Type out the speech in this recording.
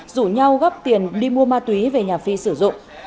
rủ nhau góp tiền đi mua ma túy về nhà phi sử dụng